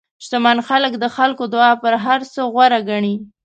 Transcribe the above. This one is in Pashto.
شتمن خلک د خلکو دعا تر هر څه غوره ګڼي.